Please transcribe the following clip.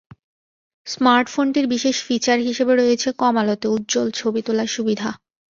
স্মার্টফোনটির বিশেষ ফিচার হিসেবে রয়েছে কম আলোতে উজ্জ্বল ছবি তোলার সুবিধা।